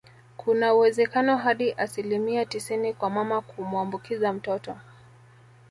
Kuna uwezekano hadi asilimia tisini kwa mama kumuambukiza mtoto